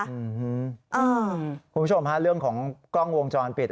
คุณผู้ชมฮะเรื่องของกล้องวงจรปิด